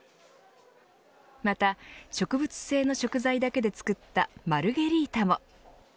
また植物性の食材だけで作ったマルゲリータも。